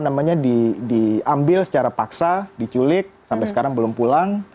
namanya diambil secara paksa diculik sampai sekarang belum pulang